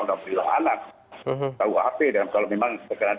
kita kaya bekerja sama dengan si korban tertarik lagi